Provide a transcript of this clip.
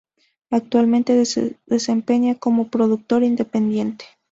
Actualmente se desempeña como productor independiente.